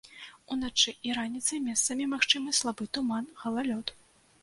Уначы і раніцай месцамі магчымы слабы туман, галалёд.